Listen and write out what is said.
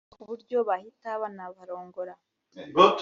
ku buryo bahita banabarongora